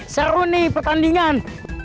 seru nih pertandingan